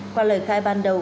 qua lời khai ban đầu